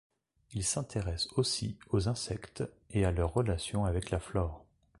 Il s’intéresse aussi aux insectes et à leur relation avec la flore.